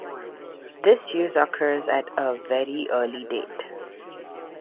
This use occurs at a very early date.